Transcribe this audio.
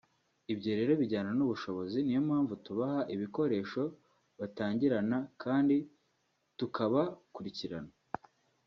Ibyo rero bijyana n’ubushobozi ni yo mpamvu tubaha ibikoresho batangirana kandi tukabakurikirana